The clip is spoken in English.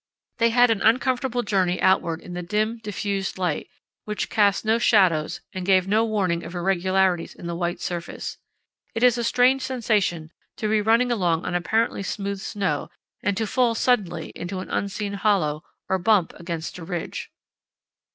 They had an uncomfortable journey outward in the dim, diffused light, which cast no shadows and so gave no warning of irregularities in the white surface. It is a strange sensation to be running along on apparently smooth snow and to fall suddenly into an unseen hollow, or bump against a ridge.